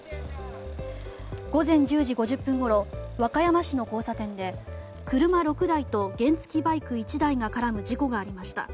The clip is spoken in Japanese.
午前１０時５０分ごろ和歌山市の交差点で車６台と原付きバイク１台が絡む事故がありました。